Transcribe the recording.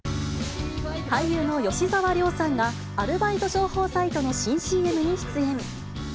俳優の吉沢亮さんが、アルバイト情報サイトの新ＣＭに出演。